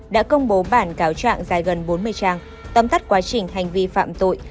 đã công bố bản cáo trạng dài gần bốn mươi trang tâm tắt quá trình hành vi phạm tội